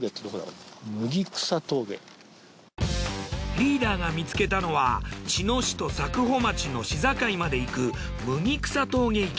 リーダーが見つけたのは茅野市と佐久穂町の市境まで行く麦草峠行き。